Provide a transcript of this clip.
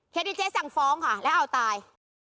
ดีเจสั่งฟ้องค่ะแล้วเอาตาย